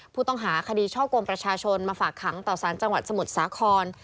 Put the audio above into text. ผู้ต้องหาคดีช่อกงประชาชนมาฝากขังต่อสารจังหวัดสมุทรสาคร